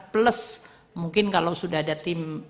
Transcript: plus mungkin kalau sudah ada tim